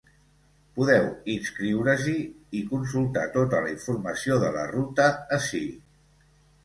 Podeu inscriure-us-hi i consultar tota la informació de la ruta ací.